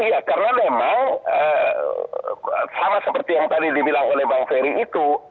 iya karena memang sama seperti yang tadi dibilang oleh bang ferry itu